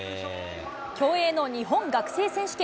競泳の日本学生選手権。